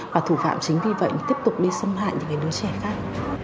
và thủ phạm chính vì vậy tiếp tục đi xâm hại những đứa trẻ khác